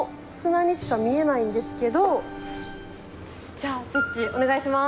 じゃあスイッチお願いします。